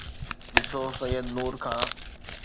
ڏسو سيد نور کان